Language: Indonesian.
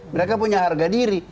mereka punya harga diri